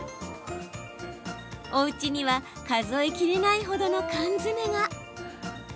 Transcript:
おうちには数えきれないほどの缶詰が。